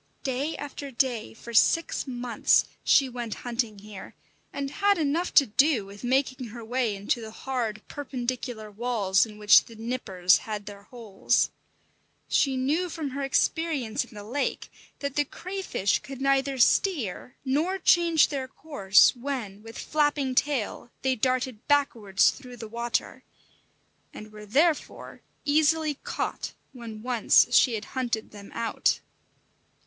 Day after day for six months she went hunting here, and had enough to do with making her way into the hard, perpendicular walls in which the nippers had their holes. She knew from her experience in the lake that the crayfish could neither steer nor change their course when, with flapping tail, they darted backwards through the water, and were therefore easily caught when once she had hunted them out.